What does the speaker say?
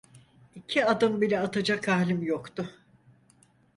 İki adım bile atacak halim yoktu.